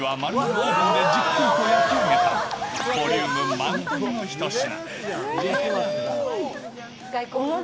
オーブンでじっくりと焼き上げた、ボリューム満点のうん。